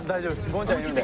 権ちゃんいるんで。